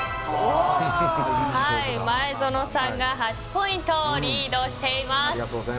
前園さんが８ポイントリードしています。